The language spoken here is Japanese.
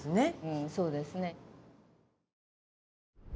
うんそうですね。